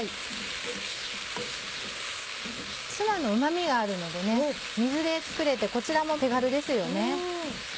ツナのうま味があるので水で作れてこちらも手軽ですよね。